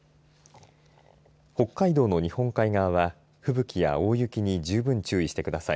北海道の日本海側は吹雪や大雪に十分注意してください。